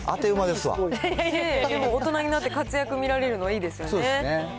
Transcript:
大人になって活躍見られるのそうですね。